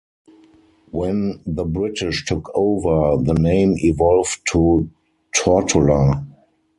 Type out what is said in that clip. When the British took over, the name evolved to Tortola.